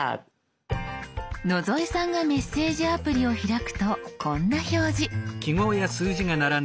野添さんがメッセージアプリを開くとこんな表示。